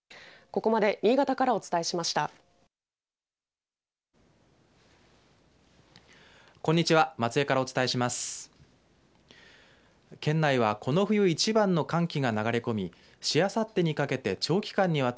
ここまで新潟からお伝えしました。